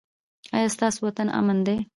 ایا ستاسو وطن امن دی؟